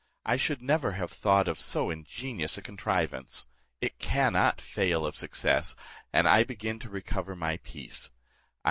I should never have thought of so ingenious a contrivance. It cannot fail of success, and I begin to recover my peace.